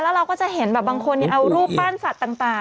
แล้วเราก็จะเห็นแบบบางคนเอารูปปั้นสัตว์ต่าง